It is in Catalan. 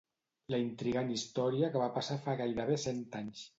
la intrigant història que va passar fa gairebé cent anys